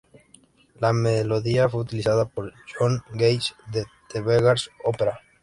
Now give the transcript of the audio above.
La melodía fue utilizada por John Gay en "The Beggar's Opera".